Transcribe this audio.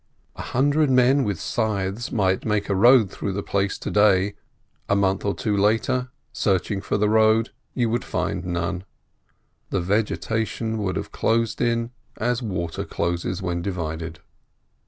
A hundred men with scythes might make a road through the place to day; a month or two later, searching for the road, you would find none—the vegetation would have closed in as water closes when divided.